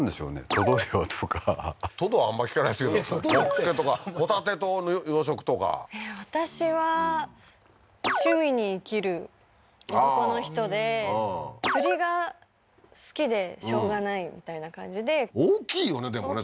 トド漁とかトドあんまり聞かないですけどホッケとかホタテの養殖とか私は趣味に生きる男の人で釣りが好きでしょうがないみたいな感じで大きいよねでもね